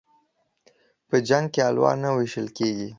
په جنگ کې الوا نه ويشل کېږي.